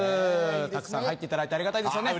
たくさん入っていただいてありがたいですよね。